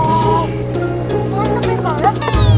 wah entar penggalan